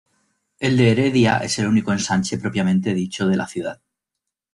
El de Heredia es el único ensanche propiamente dicho de la ciudad.